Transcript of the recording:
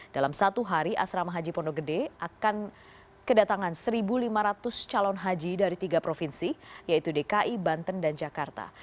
dalam satu hari asrama haji pondok gede akan kedatangan satu lima ratus calon haji dari tiga provinsi yaitu dki banten dan jakarta